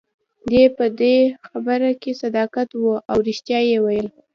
دی په دې خپله خبره کې صادق وو، او ريښتیا يې ویل.